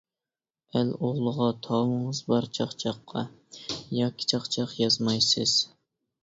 ئەل ئوغلىغا تاۋىڭىز بار چاقچاققا، ياكى چاقچاق يازمايسىز.